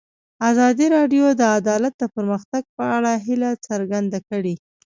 ازادي راډیو د عدالت د پرمختګ په اړه هیله څرګنده کړې.